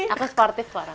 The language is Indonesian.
aku sportif sekarang